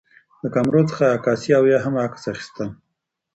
د کامرو څخه عکاسي او یا هم عکس اخیستل